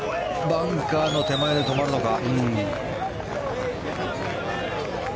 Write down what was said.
バンカーの手前で止まるのか。